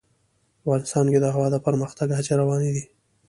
افغانستان کې د هوا د پرمختګ هڅې روانې دي.